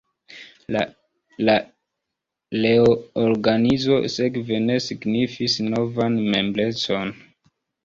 La reorganizo sekve ne signifis novan membrecon.